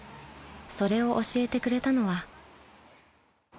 ［それを教えてくれたのは］